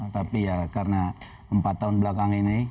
tapi ya karena empat tahun belakang ini